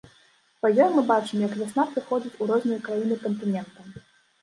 Па ёй мы бачым, як вясна прыходзіць у розныя краіны кантынента.